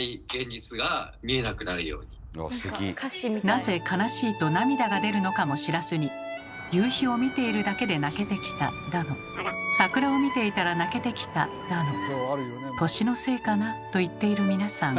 なぜ悲しいと涙が出るのかも知らずに「夕日を見ているだけで泣けてきた」だの「桜を見ていたら泣けてきた」だの「年のせいかな？」と言っている皆さん。